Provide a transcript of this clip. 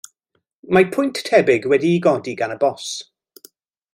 Mae pwynt tebyg wedi'i godi gan y bòs.